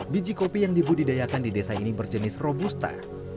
biji kopi yang dibudidayakan di desa ini berjenis robusta